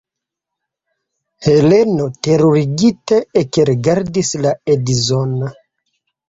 Heleno terurigite ekrigardis la edzon.